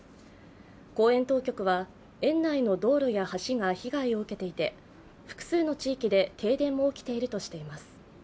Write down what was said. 公園当局は、園内の道路や橋が被害を受けていて複数の地域で停電も起きているとしています。